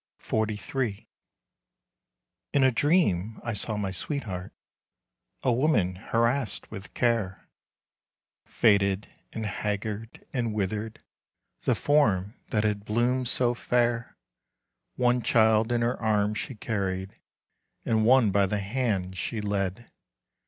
XLIII. In a dream I saw my sweetheart, A woman harassed with care; Faded, and haggard, and withered, The form that had bloomed so fair. One child in her arms she carried, And one by the hand she led.